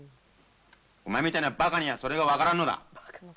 お前みたいなばかにはそれが分からんのだ！